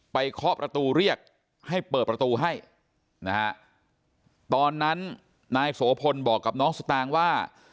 เคาะประตูเรียกให้เปิดประตูให้นะฮะตอนนั้นนายโสพลบอกกับน้องสตางค์ว่า